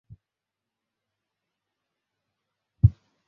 তিনি বাংলার অন্যতম শ্রেষ্ঠ পাঁচালীকার।